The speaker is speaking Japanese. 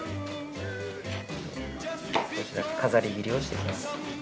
飾り切りをしていきます。